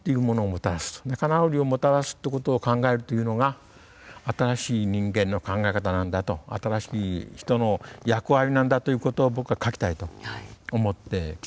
仲直りをもたらすってことを考えるというのが新しい人間の考え方なんだと「新しい人」の役割なんだということを僕は書きたいと思ってきたんです。